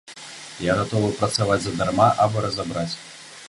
Я гатовы працаваць задарма, абы разабраць.